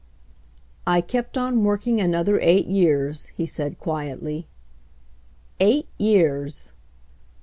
"I kept on working another eight years/' he says quietly. Eight years!